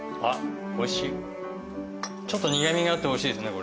ちょっと苦味があっておいしいですね